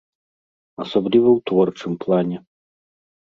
Асабліва ў творчым плане.